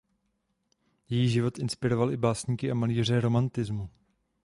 Její život inspiroval i básníky a malíře romantismu.